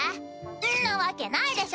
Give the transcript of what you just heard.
んなわけないでしょ！